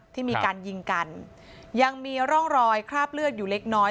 ที่มีการยิงกันยังมีร่องรอยคราบเลือดอยู่เล็กน้อย